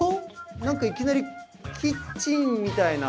何かいきなりキッチンみたいな。